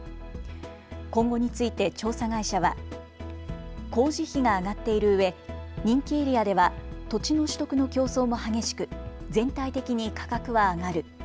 今後について調査会社は工事費が上がっているうえ人気エリアでは土地の取得の競争も激しく全体的に価格は上がる。